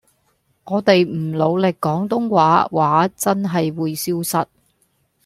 我地唔努力廣東話話真係會消失